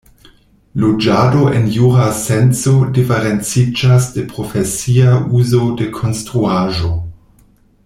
Loĝado en jura senco diferenciĝas de profesia uzo de konstruaĵo.